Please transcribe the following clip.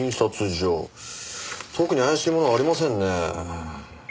特に怪しいものはありませんね。